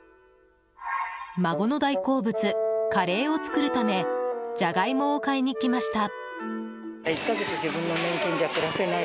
孫の大好物、カレーを作るためジャガイモを買いに来ました。